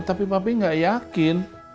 tapi papi gak yakin